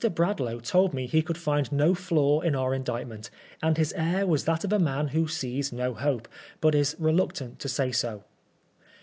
Bradlaugh teld me he could find no flaw in our Indictment, and his air was that of a man who sees no hope, but is re luctant to say so.